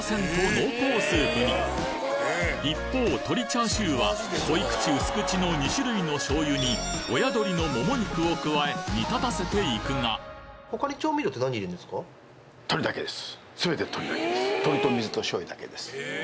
濃厚スープに一方鶏チャーシューは濃口淡口の２種類の醤油に親鶏のモモ肉を加え煮立たせていくが全て鶏だけです。